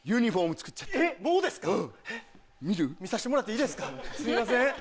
えっもうですか⁉見させてもらっていいですかすいません。